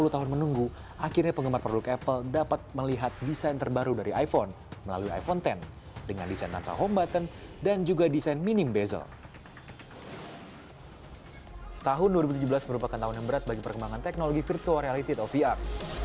tahun dua ribu tujuh belas merupakan tahun yang berat bagi perkembangan teknologi virtual reality of vr